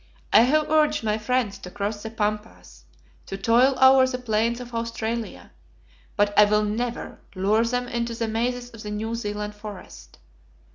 I have urged my friends to cross the Pampas, to toil over the plains of Australia, but I will never lure them into the mazes of the New Zealand forest.